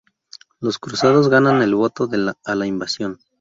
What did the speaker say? Los cruzados ganan el voto a la invasión.